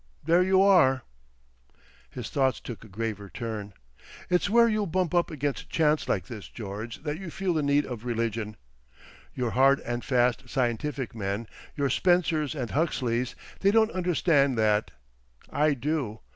There you are!" His thoughts took a graver turn. "It's where you'll bump up against Chance like this, George, that you feel the need of religion. Your hard and fast scientific men—your Spencers and Huxleys—they don't understand that. I do.